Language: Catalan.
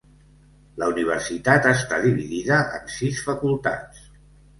La universitat està dividida en sis facultats.